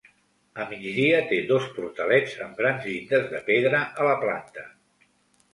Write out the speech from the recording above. A migdia té dos portalets amb grans llindes de pedra a la planta.